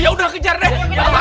ya udah kejar deh